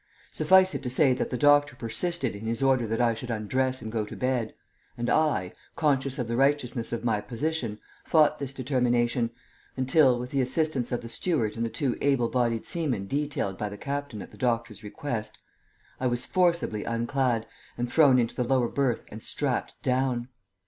Suffice it to say that the doctor persisted in his order that I should undress and go to bed, and I, conscious of the righteousness of my position, fought this determination, until, with the assistance of the steward and the two able bodied seamen detailed by the captain at the doctor's request, I was forcibly unclad and thrown into the lower berth and strapped down.